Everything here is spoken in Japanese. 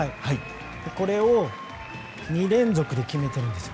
これを２連続で決めているんですよ。